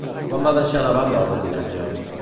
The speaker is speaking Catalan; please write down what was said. Quan va deixar de banda el patinatge?